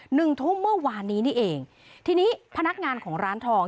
หนึ่งทุ่มเมื่อวานนี้นี่เองทีนี้พนักงานของร้านทอง